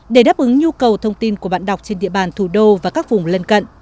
để đáp ứng nhu cầu thông tin của bạn đọc trên địa bàn thủ đô và các vùng lân cận